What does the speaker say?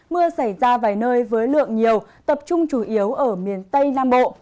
mưa xảy ra vài nơi với lượng nhiều tập trung chủ yếu ở miền tây nam bộ